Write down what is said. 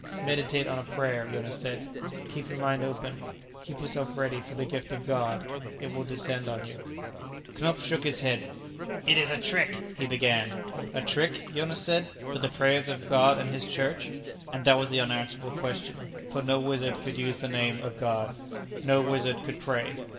"Meditate on a prayer," Jonas said. "Keep your mind open, keep yourself ready for the gift of God. It will descend on you." Knupf shook his head. "It is a trick " he began. "A trick?" Jonas said. "With the prayers of God and His Church?" And that was the unanswerable question. For no wizard could use the name of God, no wizard could pray.